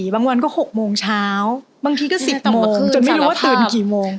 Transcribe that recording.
บางวันก็๖โมงเช้าบางทีก็๑๐โมงจนไม่รู้ว่าตื่นกี่โมง